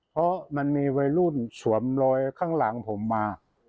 เพราะมันมีวัยรุ่นสวมรอยข้างหลังผมมา